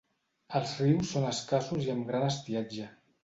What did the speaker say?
Els rius són escassos i amb gran estiatge.